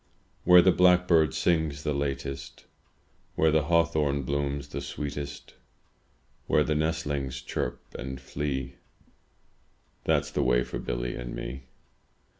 Where the blackbird sings the latest. Where the hawthorn blooms the sweetest, Where the nestlings chirp and flee. That's the way for Billy and me.